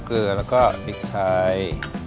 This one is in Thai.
เกลือแล้วก็พริกไทย